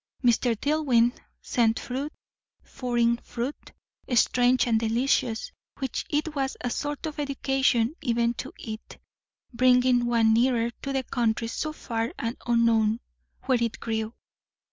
Mr. Dillwyn sent fruit; foreign fruit, strange and delicious, which it was a sort of education even to eat, bringing one nearer to the countries so far and unknown, where it grew.